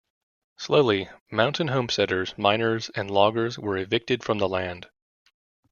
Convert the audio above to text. Slowly, mountain homesteaders, miners, and loggers were evicted from the land.